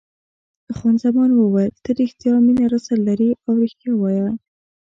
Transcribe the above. خان زمان وویل: ته رښتیا مینه راسره لرې او رښتیا وایه.